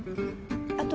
あと。